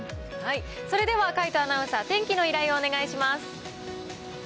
それでは海渡アナウンサー、天気の依頼をお願いします。